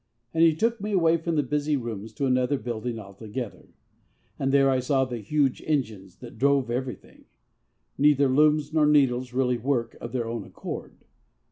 And he took me away from the busy looms to another building altogether, and there I saw the huge engines that drove everything. Neither looms nor needles really work 'of their own accord.'